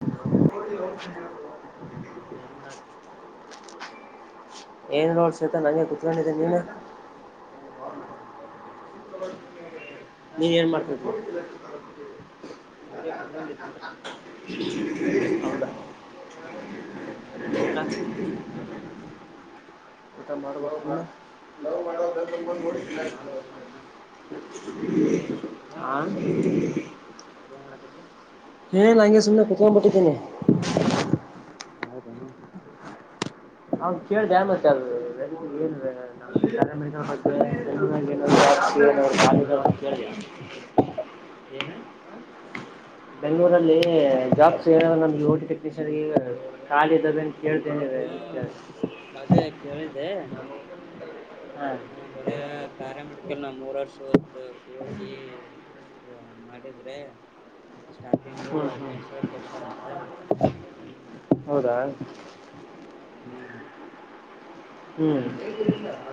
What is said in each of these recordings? Hello ನಪ್ಪ ಹೆಮಡ ಏನ್ ನೋಡ್ ಶ್ವೇತ ನಂಗೆ ಕುತ್ಕೊಂಡಿದ್ದೆ ನೀನು [unintelligible] ಊಟ ನೀ ಏನ್ ಮಾಡ್ಬೇಕ ಹ್ಮ ಊಟಾ ಎ ಮಾಡ ನ ಮಾಡಡಿ ಹ್ಮ್ ಮಾಡ್ಬೇಕ್ ನೋಡಿ ಇನ್ನ ಏನ್ ಆ ವ. ಹಏ ಲಂಗಗೆ ಸುಮನೆ ಕೊತ್ತೊಂಡ ಪಟ್ಟಿದ್ದೀನೆ. ಹೌದಮ್ಮ. ಹ ಕೇಳ್ದ ನ್ತ್ತಲ್. ಏನ್ ನ ಮ. ಏನು ಬೆಂಗಳೂರಲ್ಲಿ ಜಾಬ್ಸ್ ನಮ್ಗೆ ಯ ಟಿ ಟೆಕ್ನಿಷಿಯನ್ ಖಾಲಿ ಇದದೆ ಅಂತ ಕೇಳ್ತೇನೆ. ಹ್ಮ ಕೇಳಿದೆ ಅದೇ ಕೇಳಿದೆೆ. ಹಾಂ ಹಾ ಬರ ಪ್ಯಾರಾಮೆಡಿಕಲ್ ನಾವ ಮೂರ್ ವರ್ಷ ಹೋದ ಹೋಗಿ ಓ ಮಾಡಿದ್ರೆ ಸ್ಟಾರ್ಟಿಂಗು ಹ್ಮ ಹದ್ನೆಂಟು ಸಾವಿರ ಹ್ಮ ಕೊಡ್ತಾರಂತ ಹೌದಾ. ಹ್ಮ್. ಹ್ಮ್. ಅದು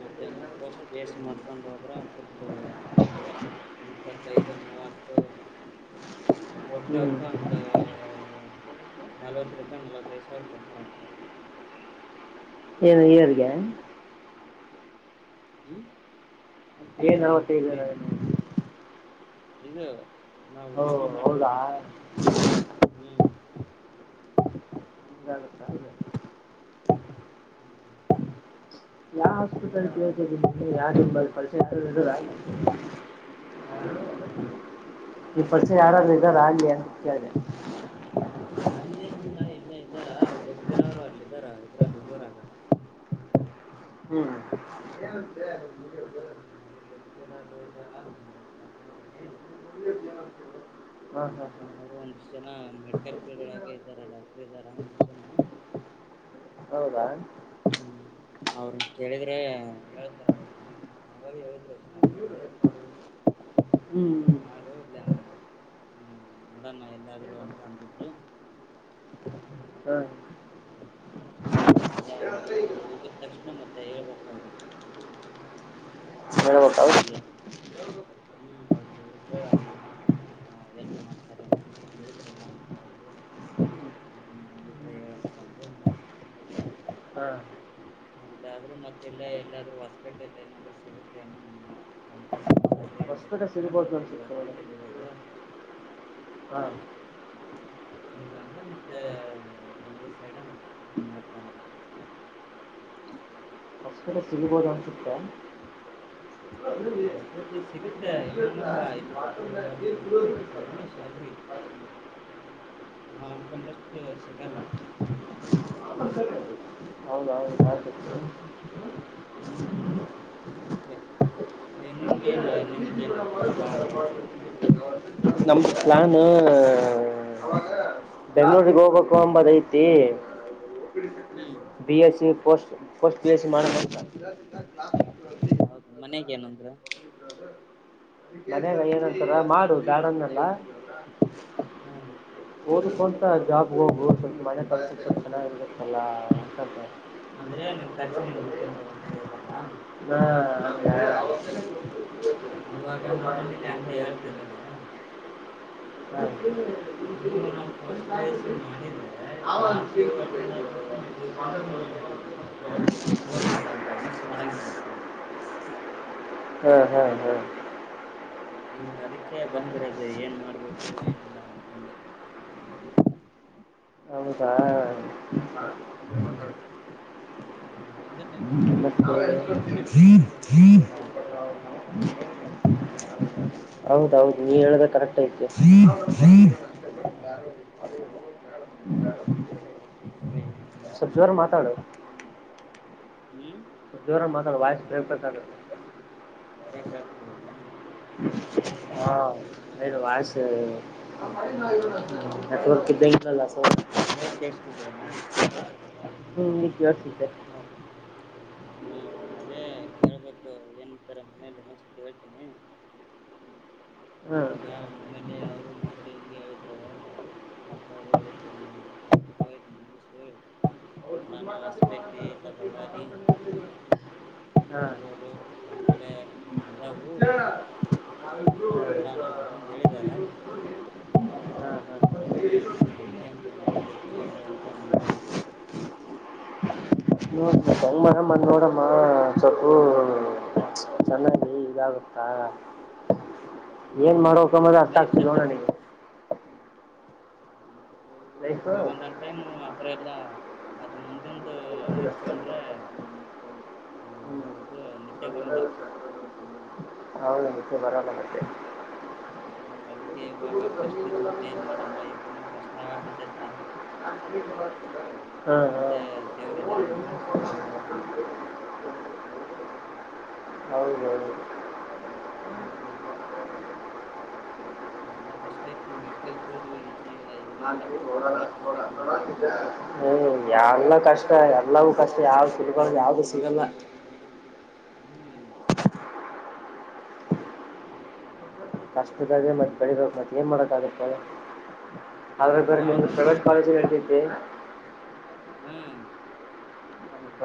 ಮತ್ತೆ ನಾವ ಫಸ್ಟ್ ಬೇಸ್ಟ್ ಮಾಡ್ಕೊಂಡು ಹೋದ್ರೆ ಒಂದ್ ಸ್ವಲ್ಪ ಇಪ್ಪತ್ತೈದು ಮೂವತ್ತು ಹೋಗ್ತಾ ಹ್ಞೂ ಹೋಗ್ತಾ ಒಂದ ನಲ್ವತ್ತರಿಂದ ನಲವತ್ತೈದು ಸಾವಿರ ಕೊಡ್ತಾರಂತ. ಏಗ. ಹ್ಮ್. ಒಂದ್ ತಿಂಗಳ ಏನ್ ಅವತ್ತೈದು ಮಂತ್ಲಿ ನ. ಇದು. ನಾವು ಓ ಡ್ಯೂಟಿ ಹೌದಾ ಮಾಡ್ತೀವಲ್ಲ ಹ್ಮ್. ಇಾಗ. ಯಾವ ಹಾಸ್ಪಿಟಲ್ ಕಳ್ತ ಇದ ಯಾರ ನಿಂಬ ಪರಿಸಚಯರಾ. ಮ ಈ ಪರ್ಷೆ ಯಾರಾದ್ರೂ ಇದ್ದಾರ ಆ್ಲಿ ಮುಖೆ. ಅಲ್ಲೇ ನಿನ್ನ ಇಲ್ಲೇ ಇ. ರಾ ಗೊತ್ತರ ಅವ್ರು ಆರಲಿ ತರ ಇತರ ಬೆಂಗ್ಗಳೂರ ಆಾಗ. ಹ್ಮ್. ಧ. ನಮಗೆ ಅವೌಗೆ. ಹಾ ಹಾ ಹಾ ಅವರು ಒಂದಷ್ಟ ಜನ ಮೆಡಿಕಲ್ ಫೀಲ್ಡ್ ಒಳಗೆ ಇದ್ದಾರ ಡಾಕ್ಟರ್ ಇದ್ದಾರ ಒಂದಷ್ಟ ಜನ. ಹೌದಾ. ಹ್ಮ್ ಅವ್ರುನ್ ಕೇಳಿದ್ರೆ ಹೇಳ್ತಾರ್ ಅವ್ರು ನಿಮ್ಮ ಅವಾಗ್ ಹೇಳಿದ್ರು ಸ್ಟಾರ್ಟಿಂಗ್ಗೆ ಹ್ಮ್ ಮಾಡ್ ಹೌದ್ಲಾ ನೋಡಣ ಎಲ್ಲಾದ್ರು ಅಂತ ಅಂದಿದ್ರು. ಹಾ. ಅದೇ ಅವ್ರೆ ಇದು ಹೇಳ್ಬೇಕಾ ಮುಗಿದ್ ತಕ್ಷ್ಣ ಮತ್ತೆ ಹೇಳ್ಬೇಕು ಅವ್ರಿಗೆ. [inaudible] ಹ್ಮ್ ಅವ್ರಿಗ್ ಹೇಳಿದ್ರೆ ಅವ್ರ್ ಏನಾದ್ರು ನಾ ಹೆಲ್ಪ್ ಮಾಡ್ತರೆ ಅಂತ ಹೇಳಿದ್ರಲ್ ಅವರು ಹೇಳಂತಂದ್ರು ಹಾ ಅಂದಾದ್ರು ಮತ್ ಇಲ್ಲೆ ಎಲ್ಲಾದ್ರು ಹೊಸ್ಪೇಟೆಲ್ ಏನಾದ್ರು ಸಿಗುತ್ತೆ ಅನ್ನು ನಮ್ಮ ನಮ್ ತಕ್ ಹೊಸ್ಪೇಟೆಲ್ ಸಿಗಬಹುದಾ ಅನುಸ್ತೆ ಇರೋದು ಹಾ ಇನ್ನಂದ್ರೆ ಮತ್ತೆ ಬೆಂಗ್ಳೂರ್ ಸೈಡ ಮತ್ತೆ ಮಾಡಕ್ ಬರಲ್ಲ ಹೊಸ್ಪೇಟೆ ಸಿಗಬೋದು ಅನ್ಸುತ್ತೆ ಹೊಸಪೇಟೆ ಸಿಗುತ್ತೆ ಇಲ್ಲ ಅನ್ನಲ್ಲ ಇಲ್ಲಿ ಕೊಪ್ಪಳದಲ್ಲಿ ಆದ್ರೂ ಸಿಗುತ್ತೆ ಅದ್ರ ಕಡಿಮೆ ಸ್ಯಾಲ್ರಿ ನಾವ್ ಅನ್ಕೊಂಡಷ್ಟು ಸಿಗಲ್ಲ [inaudible] ಹೌದೌದು ಹೌದ್ ಹ್ಮ್ ಅದಿಕ್ಕೆ ನಏ ನಿನ್ಗೇನ ನಿಂಗೇನ್ ಐತಿ ಪ್ಲಾನು. ನಮ್ಮ ಪ್ಲಾನೂ-ನೂ. ಬೆಂಗ್ಳೂರಿಗ್ ಹೋಗ್ಬೇಕುಬದು ಐತಿ ಹ್ಮ್ B S V post B S C ಮಾಡಕ್ ಹೌದು ಮನೆಗ್ ಏನಂದ್ರ ಮನೆಲೆಲ್ಲರು ಅಂತಾರೆ ಮಾಡು ಬ್ಯಾಡ ನಲ್ಲ ಓದು ಕೊಂತ ಜಾಬ್ ಹೋಗು ಸ್ವಲ್ಪ [unintelligible] [inaudible] ಅಂದ್ರೆ ನಿ [unintelligible] ಚಿನ್ನಿನ್ ನೋಡ್ಕಂತರ್ ಅಂತ ಹೇಳಿದರಾ ಇವಾಗ ನಮ್ ಮನೇಲಿ ಹಂಗೆ ಹೇಳ್ತಿದಾರ ನಾ ಇವು ನಾವು ಪೋಸ್ಟ್ ಪಿ ಎಸ್ ಸಿ [inaudible] ಮಾಡಿದ್ರೆ ಕ್ಲಾಸು ಅಟೆಂಡ್ [inaudible] ಹಾ ಹೋಗ್ಬೇಕಂತ ಮಿಸ್ ಮಾಡಂಗಿಲ್ಲ ಅಂತ ಹಾ ಹಾ ಹಾ ಈಗ ಅದುಕ್ಕೆ ಬಂದಿರದು ಏನ್ ಮಾಡ್ಬೇಕು ಏನಿಲ್ಲ ಅಂತಂದು [inaudible] ಹೌದಾ ಹ್ಮ್ ಅದೊಂದೆ ಟೆನ್ಷನ್ ಮತ್ತೆ ಮುಗಿತಂದ್ರೆ ಏನ್ ಮಾಡ್ಬೇಕ್ ಅನ್ನೋದೆ ಗೊತ್ತಾಗ್ವಲ್ದು ಹೌದೌದು ನೀ ಹೇಳದು ಕರೆಕ್ಟ್ ಐತಿ [inaudible] ಹ್ಮ್ [inaudible] ಸ್ವಲ್ಪ ಜೋರ ಮಾತಾಡು [unintelligible] ಹ್ಮ್ ಜೋರಾಗ್ ಮಾತಾಡ ವಾಯ್ಸ್ ಬ್ರೇಕ್ ಬ್ರೇಕ್ ಆಗುತ್ತೆ ಬ್ರೇಕ್ ಆಗ್ತಿದ್ದೇನಾ ಹಾ ವಾಜ ನೆಟವರ್ ಕ ಹಾಗಲ್ಲ ಸರ್ ಸರಿ ಸರಿ ಇವಾಗ ಕೇೇಳಸ್ತಿದ್ದೇನಾ ಹ್ಮ್ ಇಗಾ ಕೆಲ್ಸ್ತಾದ್ [inaudible] ಹ ಏನ್ಂತರ ಮನೇೆಯಲ್ಲಿ ಇನ್ನೋಂಧಸತಿ ಹೇಳ್ತೀನಿ ಹ್ಮ್ ಇವಗಾ ಮನೇಲಿ ಅವರು ಮೊದಲು ಹೆಂಗ ಹೇಳಿದ್ರು ಅಕ್ಕ ಅವರು ಹೇಳಿದ್ರು ಅ ಓಯ್ ನೋಡಾನ ಹೊಸಪೇಟೆ ಬಳ್ಳಾರಿ ಹಾ ಬೆಂಗಳೂರು ಹಾಕಡೆ ಇದವು ನೋಡ್ ಹೆಂಗ್ ನೋಡಣ ಅಂತಂದು ಹೇಳಿದಾರ ಅಕಂದ ಬಂದ್ ನೋಡ್ಬೇಕು ಹೆಂಗ ಅಡತ ಮಾಡ್ಬೇಕು ನೋಡಂಗ ಮನ ಮ ನೋಡಮ್ಮ ಸ್ವಲ್ಪ ಚೆನ್ನಾಗಿ ಇದಾಗುತ್ತಾ ಏನ್ ಹ್ಮ್ ಮಾಡುವಕಮ್ಮದು ಅರ್ಥ ಲೈಫ್ ಆಗ್ತಿಲ್ಲ ಸೆಟ್ಲ್ ನೋಣನಗೆ ಹ್ಮ ಹ ಇವಾಗ ಒಂದಂದ್ ಟೈಮ್ ಆತರ ಎಲ್ಲ ಅದು ಮುಂದಂದು ನೆನೆಸ್ಕೊಂಡ್ರೆ ಹ ಏನದು ನಿದ್ದೆ ಬರಲ್ಲ ಆವಲ ಮಕ್ಕೆ ಬರಲ ಮತ್ತ ಹ್ಮ ಅದಕ್ಕೆ ಇವಾಗ ಫಸ್ಟ್ ಇದನ್ ಕ್ಲಿಯಾರ್ ಮಾಡೋಣ ಇದನು ಕ ಹಾ ಹಾ ಮುಂದೆ ದೇವ್ರ ಇದಾನ ಅಂತ ಸುಮ್ಮ್ ಆಗಿರೋದು ಇವಾಗ ಹೌದು ಹೌದು ನಿಲ್ಲ ಫಸ್ಟ್ ಐತಿ ಮೆಡಿಕಲ್ ಫೀಲ್ಡ್ ಏನಿಲ್ಲ ಬಹಳ ಕಷ್ಟ ಐತಿ ಮೆಡಿಕಲ್ ಫೀಲ್ಡ್ ಹ್ಮ್ ಯಾವಲ್ಲ ಕಷ್ಟ ಎಲ್ಲವೂ ಕಷ್ಟ ಯಾವ ಸಿಡ್ಕೊಂಡ ಯಾವ್ದು ಸಿಗಲ್ಲ ಹ್ಮ್ ಹ ಕಷ್ಟದ ಮತ್ತೆ ಬೆಳಿಬೇಕು ಮತ್ತೆ ಏನ್ ಮಾಡಕ್ಕಾಗತ್ತೆ ಆದ್ರೆ ಬೇರ್ ನಿಮ್ದು ನಾವ್ದೊಂದು ಪ್ರೈವೇಟ್ ಕಾಲೇಜುೇಳ್ತಿದ್ದೆ ಹ್ಮ್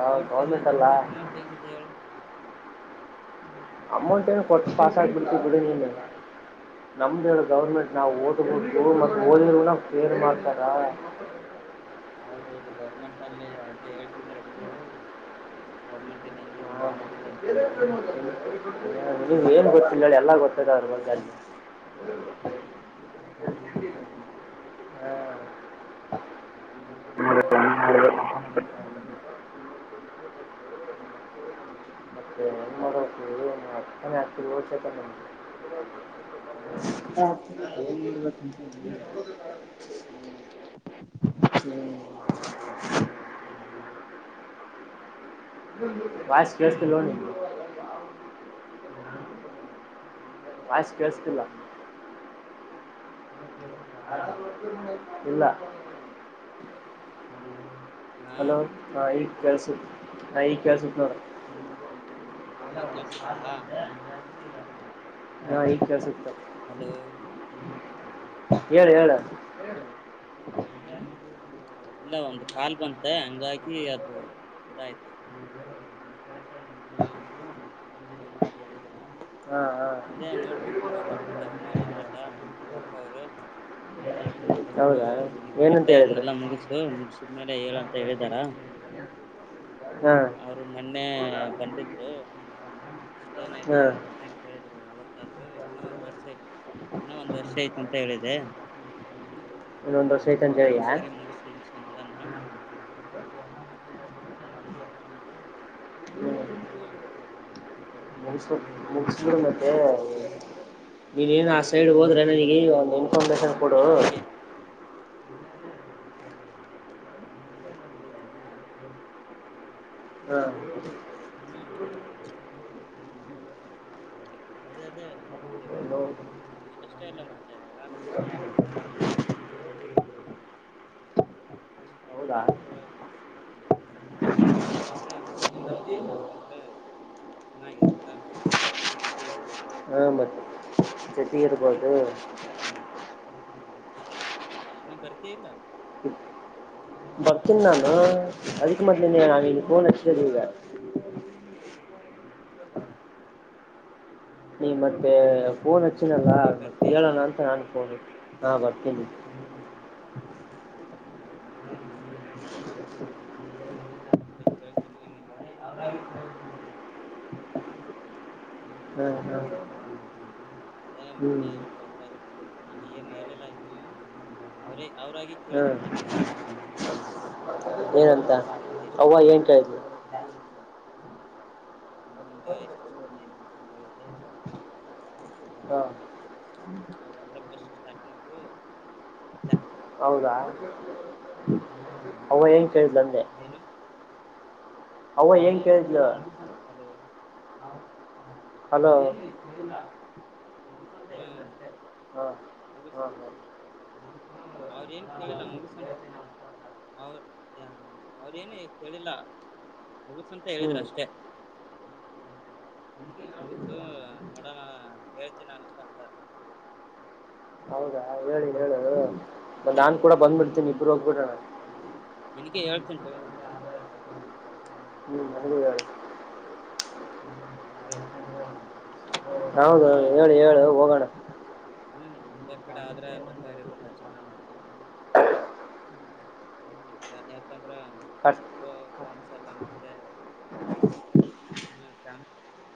ಪ್ರೈವೇಟ್ ಕಾಲೇಜ್ ಅಂದ್ರೆ ಅಮೌಂಟ್ ಹೆಂಗಿದೆ ಹೇಳ ಅಮೌಂಟ್ ಏನು ಕೊಟ್ಟು ಪಾಸಾಗಿಬಿಡ್ತೀವಿ ಬಿಡಿ ನೀನ ನಮ್ಮ್ದು ಹೇಳ ಗೌರ್ಮೆಂಟ್ ನಾವು ಹೊಧ್ಬೇಕು ಮತ್ತು ಹೇಳು ಓದಿರೂ ನ ಕೇರ್ ಮಾಡ್ತಾರ ಹೌದೌದು ಗೌರ್ಮೆಂಟ್ ಲ್ಲಿ ಆತ ಹೇಳ್ತಿದಿದ್ದಾರೆ ಬಿಡು ಗೌರ್ಮೆಟ್ ಹಾ ನೀವ್ ಏನ್ ಗೊತ್ತಿಲ್ಲ ಎಲ್ಲ ಗೊತ್ತ ಸಗವಾಗಿಾಗ ಗ ಹ ಹ್ಮ್ [unintelligible] ಮತ್ತೆ ಏನೆ ಆಗ್ತವಿ ಹೋತ ಗೊತ್ತಾಗ್ತಿಲ್ಲ ಏನ್ ಮಾಡ್ಬೇಕಂತ [unintelligible] ಹ್ಮ್ ಹ ವಾಯ್ಸ್ ಕೆಲ್ಸ್ ಕೆಲೋಣ ವಾಯ್ಸ್ ಕೇಳ್ಸ್ತೀಲ್ಲ ಇಲ್ಲ ಹಾ ಹಲೋ ಹಾ ಈ ಕಸ ಹ ಈಗ್ ಕೆಲ್ಸುತೆ ನೋಡ್. ಇವಾಗ ಕೇಳ್ಸುತ್ತಾ ನ [unintelligible] ಕೆಲ್ಸುತ್ ಹಲೋ ಹೇಳ್ ಹೇಳ್ ಹ್ಮ್ ಇಲ್ಲ ಒಂದು ಕಾಲ್ ಬಂತೆ ಹಂಗಾಗಿ ಅದು ಇದಾಯ್ತು ಹ್ಮ್ ಹಾ ಹಾ ಅದೇ ನೋಡ್ಬೇಕು ಇವಾಗ ಮತ್ತ ಅವ್ರು ಹೇಳಿದ್ರಲ್ಲ ನಮ್ಮಕ್ಕ ಅಕ್ಕ ಅವರು ನೋಡು ಹೌದಾ ನೀಗ್ ಏನಂತ ಹೇಳಿದ್ರು ಕರೆಕ್ಟಲ್ಲ ಮುಗಸು ಮುಗಸಿದ್ಮೇಲೆ ಹೇಳಂತ ಹೇಳಿದಾರ. ಹಾ ಅವರು ಮೊನ್ನೆ ಬಂದಿದ್ರು ಏನಾಯ್ತು ಹಾ ನಿಂದ್ ಅಂತ್ ಕೇಳಿದ್ರು ಅವತ್ತಾದ್ರು ಇನ್ನೊ ಒಂದ ವರ್ಷ ಇನ್ನೊ ಒಂದ್ ವರ್ಷ ಐತಂತ ಹೇಳಿದ್ ದೆ ಇನ್ನೊಂದ್ ವರ್ಷ ಐತಂತ ಹ್ಮ್ ಹೇಳಿಯಾ ಸರಿ ಮುಗಸು ಮುಗಸು ನೋಡೋಣ. ಅಂತ ಅಂದ್ರ ಹ್ಮ್ [unintelligible] ಮುಗಿಸ್ ಮುಗಸ್ಬಿಡು ಮತ್ತೆ [inaudible] ನೀನೇನು ಆ ಹಾ ಸೈಡ್ ಮತ್ತೆ ಹೋದ್ರೆ ನನಗೆ ಇಂಟರ್ನ್ಶಿಪ್ ಒಂದು ಎಲ್ಲ ಮತ್ತೆ ಇನ್ಫಾರ್ಮೇಶನ್ ಕೊಡು ಬರುತ್ತಲ್ಲ ಅಲ್ಲಿಗೆ ಹಾ ಹೇಳಿದ್ದೀನಿರಿ ಹಾ [inaudible] ಹ್ಮ್ ಅದೇ ಅದೇ ಮತ್ತೆ ಇವಾಗ ನೋಡ್- ನಿನ್ ಅಷ್ಟೇ ಇಲ್ಲ ಮತ್ತೆ ಯಾರ್ದರ ಹೌದಾ ನಮ್ಗೆ ಅಷ್ಟೇ ಯಾವ ಈ ಅ ಕಡೆ ಹೋದ್ರೆ ಮತ್ತೆ ನೀನು ಸ್ವಲ್ಪ್ ಬಂದ್ರೆ ಚೆನ್ನಾಗಿರತ್ತಾ ಇಬ್ರು ಜೊತೆಗಿರ್ಬೋದೇನ ಜೊತಿಗೆ ಇರ್ಬೋದು ಹ್ಮ್ [inaudible] ನೀ ಬರ್ತೀ ಇಲ್ಲ ಬರ್ತೀನಿ ನಾನು ಅದಕ್ ಮತ್ತ್ ನಾವ ಇಲ್ಲಿ ಫೋನ್ ಹಚಿದ್ದ ಈಗ ಹ್ಮ್ ನೀ ಮತ್ತೆ ಫೋನ್ ಹಚ್ಚನಲ್ಲ ನೀನ್ ಮತ್ತೆ ಬರ್ತೀಯಾ ಕೇಳೋಣ ಅಂತ ನನ ನಾ ಬರ್ತೀನಿ ಹೌದು [inaudible] ಹ್ಮ್ ಹ್ಮತನ ಅ ಹ್ಮ್ ಹ್ಮ ಅದೇ ಮೊನ್ನೆ ಹೇಳಿದ್ರೆ ಅವ್ರ್ರ ನಾನು ಏನು ಹೇಳಿಲ್ಲ ಏನು ಅವರೇ ಅವ್ರಾಗಿ ಕೇಳಿದ್ರ ಹ್ಮ್ ಮತ್ತೆ ಏನಂತ ಅವ್ವ ಏನ್ ತನಷ್ಟನನಂತ್ದ ಕೇಳಿದ್ಲು ನಿಮ ಹಿಂಗ ಎಷ್ಟ ಎಷ್ಟು ದಿನ ಆಯ್ತ ಅಂತಂದ ಹೇಳಿದೆ ಹೌದಾ ಹ ಅವ್ರ ಅಂದ್ರೆಸ್ ಸ್ಟಾರ್ಟಿಂಗ್ ಇಲ್ಲ ಹೌದಾ ಹ್ಮ ಅವ ಹೆಏನ್ ಕೇಳಿದ ನಂಗೆ ಏನು ಅವ್ವ ಏನ್ ಕೇಳಿದಲ್ಲ ಹಲೋ ಹಲೋ ಹ್ಮ್ ಹಾ ಮುಗಿಸ್ ಹಾ ಹಾ ಅವ್ರ ಏನ್ ಕೇಳಿಲ್ಲ ಯ ಅವ್ರೇಏನ ಕೇಳಿಲ್ಲ ಮುಗಸ ಅಂತ ಹೇಳಿದ್ರ ಅಷ್ಟೇ ಮುಗುಸು ನೋಡೋಣ ಹೇಳ್ತನಾರಂತ ಅಂದಾರ ಹೌದಾ ಹೇಳಿ ಹೇಳದು ಮತ್ತ ನಾನ್ ಕೂಡ ಬಂದ್ಬಿಡ್ತೀನಿ ಇಬ್ಬರುಗ ಹೋಗಿ ಬಿಡ ನು ಹ್ಮ್ ನಿನಗೆ ಹೇಳ್ತೀನಿ ತಗೋ ನಾನ ಹ್ಮ್ ಹ ಯಾರ ಹಲೋ ಹೌದೌದು ಹ್ಮ್ ಹೇಳು ಹೇಳ ಏ ಹೋಗೋಣ ಹ್ಮ್ ಒಂದೇ ಪೀಡೆ ಆದ್ರೆ ಬೆಟರ್ ಇರ್ತ್ತೆ ಚೆನ್ನಾಗಿರ್ತ ಹ್ಮ್ ಎತ ರಾಮ್ ಕಟ್ ಬ ರಂಗ್ ಸಾಲ ಮತ್ತೆ ಹ್ಮ್ ಸಾನ